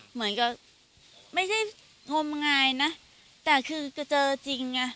เหมือนกับไม่ใช่งมงายนะแต่คือก็เจอจริงไง